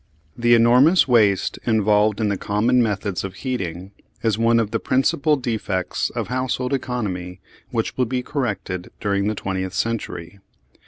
The enormous waste involved in the common methods of heating is one of the principal defects of household economy which will be corrected during the twentieth century.